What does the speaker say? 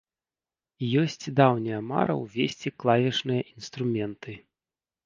Ёсць даўняя мара ўвесці клавішныя інструменты.